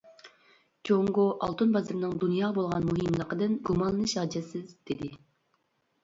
جۇڭگو ئالتۇن بازىرىنىڭ دۇنياغا بولغان مۇھىملىقىدىن گۇمانلىنىش ھاجەتسىز، دېدى.